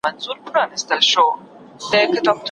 بیا به سپی بیا به غپا وه بیا به شپه وه